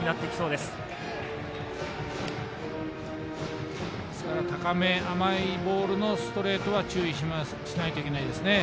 ですから高め、甘いボールのストレートは注意しないといけないですね。